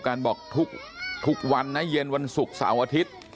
กันบอกทุกวันนะเย็นวันศุกร์เสาร์อาทิตย์